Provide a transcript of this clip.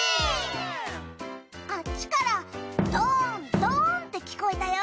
あっちからドーンドーンって聞こえたよ！